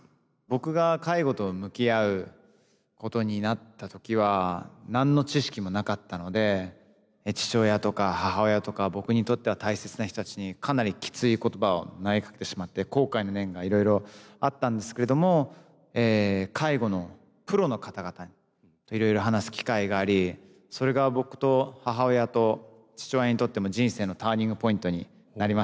僕が介護と向き合うことになった時は何の知識もなかったので父親とか母親とか僕にとっては大切な人たちにかなりきつい言葉を投げかけてしまって後悔の念がいろいろあったんですけれども介護のプロの方々といろいろ話す機会がありそれが僕と母親と父親にとっても人生のターニングポイントになりましたね。